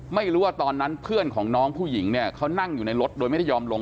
ไม่รู้ว่าตอนนั้นเพื่อนของน้องผู้หญิงเนี่ยเขานั่งอยู่ในรถโดยไม่ได้ยอมลง